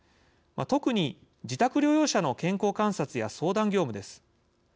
特に自宅療養者の健康観察や相談業務です。